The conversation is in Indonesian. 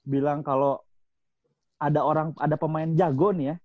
bilang kalo ada pemain jago nih ya